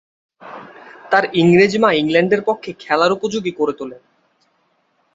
তার ইংরেজ মা ইংল্যান্ডের পক্ষে খেলার উপযোগী করে তোলেন।